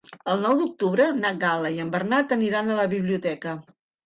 El nou d'octubre na Gal·la i en Bernat aniran a la biblioteca.